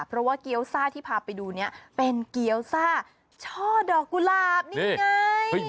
เพราะว่าเกี้ยวซ่าที่พาไปดูเนี่ยเป็นเกี้ยวซ่าช่อดอกกุหลาบนี่ไง